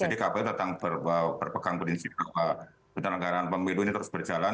jadi kpu tetang berpegang peninsipan bahwa peneragangan pemilu ini terus berjalan